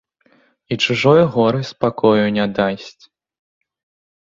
І чужое гора спакою не дасць.